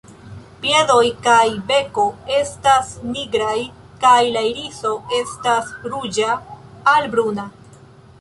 Piedoj kaj beko estas nigraj kaj la iriso estas ruĝa al bruna.